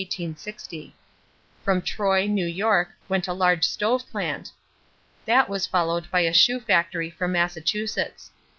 From Troy, New York, went a large stove plant. That was followed by a shoe factory from Massachusetts.